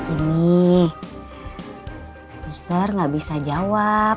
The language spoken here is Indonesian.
ini booster gak bisa jawab